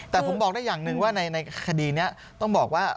แต่ผมบอกได้อย่างหนึ่งว่าในคดีนี้ต้องบอกว่า